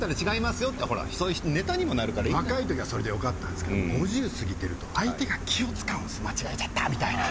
よってそういうネタにもなるからいい若い時はそれでよかったんすけど５０過ぎてると相手が気を使うんす間違えちゃったーみたいなあ